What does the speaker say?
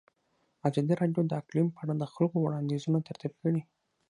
ازادي راډیو د اقلیم په اړه د خلکو وړاندیزونه ترتیب کړي.